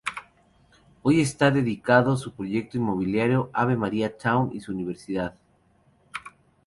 Hoy está dedicado a su proyecto inmobiliario "Ave Maria Town" y su universidad.